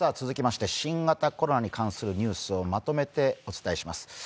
続きまして新型コロナに関するニュースをまとめてお伝えします。